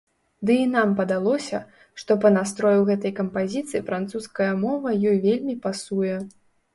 Ды і нам падалося, што па настрою гэтай кампазіцыі французская мова ёй вельмі пасуе.